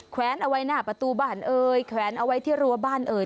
แวนเอาไว้หน้าประตูบ้านเอ่ยแขวนเอาไว้ที่รัวบ้านเอ่ย